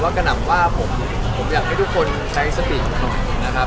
ก็กระหน่ำว่าผมอยากให้ทุกคนใช้สติหน่อยนะครับ